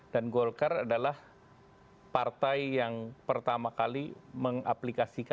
dan golkar adalah partai yang pertama kali mengaplikasikan